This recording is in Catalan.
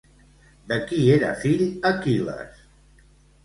De qui era fill Aquil·les?